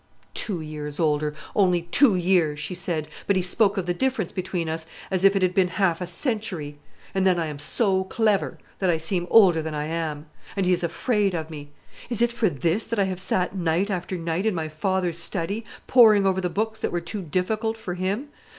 "Two years older only two years!" she said; "but he spoke of the difference between us as if it had been half a century. And then I am so clever, that I seem older than I am; and he is afraid of me! Is it for this that I have sat night after night in my father's study, poring over the books that were too difficult for him?